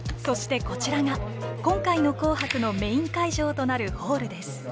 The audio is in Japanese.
そしてこちらが今回の「紅白」のメイン会場となるホールです。